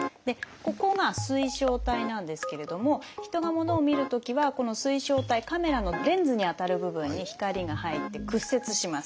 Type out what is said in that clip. ここが水晶体なんですけれども人が物を見るときはこの水晶体カメラのレンズにあたる部分に光が入って屈折します。